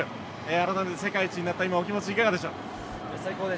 改めて世界一になったお気持ちいかがでしょう。